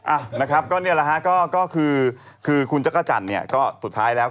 อ่ะนะครับก็เนี่ยแหละฮะก็คือคือคุณจักรจันทร์เนี่ยก็สุดท้ายแล้ว